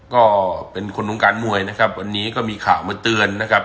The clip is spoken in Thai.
ก็เป็นคนวงการมวยนะครับวันนี้ก็มีข่าวมาเตือนนะครับ